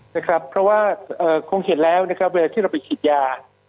เพราะว่าคงเห็นแล้วนะครับเวลาที่เราไปฉีดยา